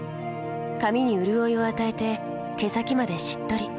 髪にうるおいを与えて毛先までしっとり。